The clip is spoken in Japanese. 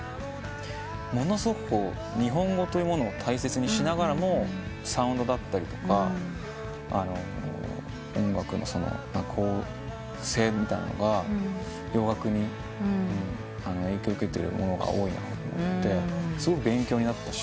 ものすごく日本語というものを大切にしながらもサウンドだったりとか音楽の構成みたいなのが洋楽に影響を受けてるものが多いなと思ってすごく勉強になったし。